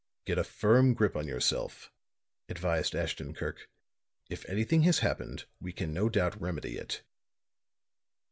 "Get a firm grip on yourself," advised Ashton Kirk. "If anything has happened we can no doubt remedy it."